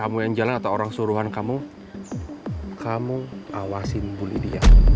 kamu yang jalan atau orang suruhan kamu kamu awasin bully dia